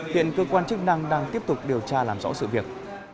hiện cơ quan chức năng đang tiếp tục điều tra làm rõ sự việc